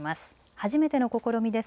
初めての試みです。